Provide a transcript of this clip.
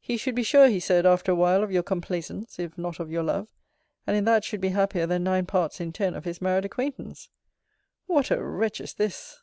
He should be sure, he said, after a while, of your complaisance, if not of your love: and in that should be happier than nine parts in ten of his married acquaintance. What a wretch is this!